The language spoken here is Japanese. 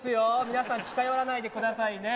皆さん近寄らないで下さいね。